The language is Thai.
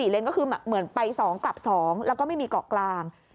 เลนก็คือเหมือนไป๒กลับ๒แล้วก็ไม่มีเกาะกลาง